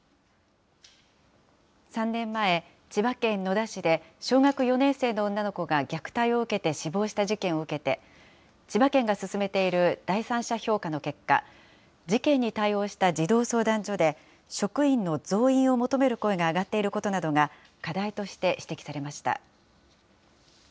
３年前、千葉県野田市で小学４年生の女の子が虐待を受けて死亡した事件を受けて、千葉県が進めている第三者評価の結果、事件に対応した児童相談所で、職員の増員を求める声が上がっていることなどが課題として指摘されました。